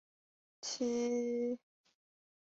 九二共识是与台湾海峡两岸关系有关的政治术语。